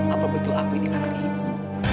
apa bentuk aku ini anak ibu